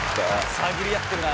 探り合ってるな。